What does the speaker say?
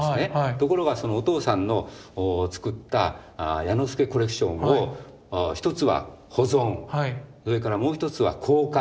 ところがお父さんの作った彌之助コレクションを一つは保存それからもう一つは公開。